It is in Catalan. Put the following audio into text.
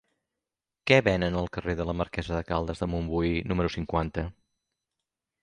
Què venen al carrer de la Marquesa de Caldes de Montbui número cinquanta?